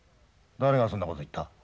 誰がそんな事言った？